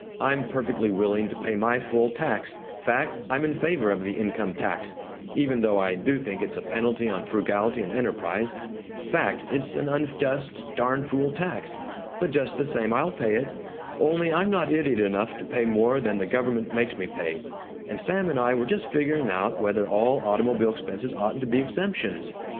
I'm perfectly willing to pay my full tax fact, I'm in favor of the income tax even though I do think it's a penalty on frugality and enterprise fact, it's an unjust, darn fool tax. But just the same, I'll pay it. Only, I'm not idiot enough to pay more than the government makes me pay, and Sam and I were just figuring out whether all automobile expenses oughn't to be exemptions.